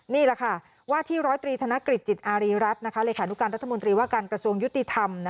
นี่แหละค่ะว่าที่๑๐๓ธนกฤษจิตอารีรัฐรัฐมนตรีว่าการกระทรวงยุติธรรม